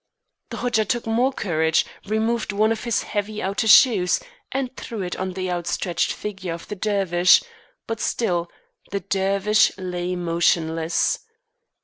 The Hodja took more courage, removed one of his heavy outer shoes and threw it on the outstretched figure of the Dervish, but still the Dervish lay motionless.